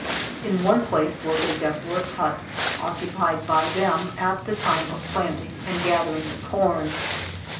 In one place was a desolate hut, occupied by them at the time of planting and gathering the corn.